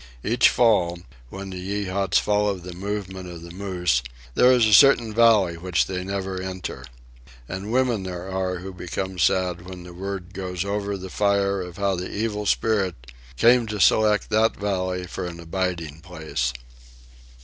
Each fall, when the Yeehats follow the movement of the moose, there is a certain valley which they never enter. And women there are who become sad when the word goes over the fire of how the Evil Spirit came to select that valley for an abiding place.